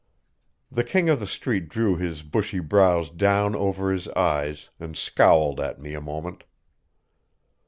The King of the Street drew his bushy brows down over his eyes and scowled at me a moment.